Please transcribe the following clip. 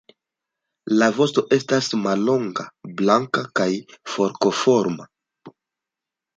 La vosto estas mallonga, blanka kaj forkoforma.